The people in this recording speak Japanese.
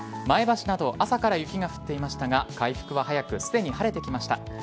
前橋など朝から雪が降っていましたが回復は早くすでに晴れてきました。